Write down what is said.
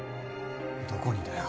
どこにだよ。